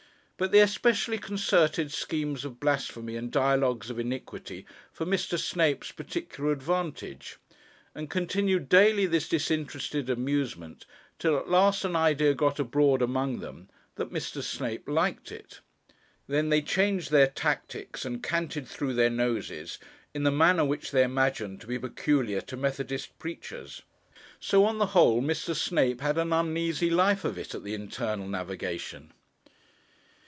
But they especially concerted schemes of blasphemy and dialogues of iniquity for Mr. Snape's particular advantage; and continued daily this disinterested amusement, till at last an idea got abroad among them that Mr. Snape liked it. Then they changed their tactics and canted through their noses in the manner which they imagined to be peculiar to methodist preachers. So on the whole, Mr. Snape had an uneasy life of it at the Internal Navigation.